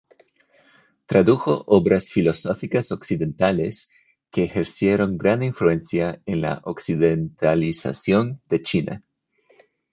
Tradujo obras filosóficas occidentales que ejercieron gran influencia en la occidentalización de China.